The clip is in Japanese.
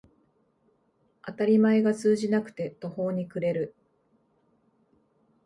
当たり前が通じなくて途方に暮れる